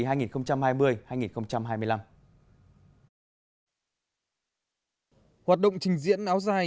hoạt động trình diễn áo dài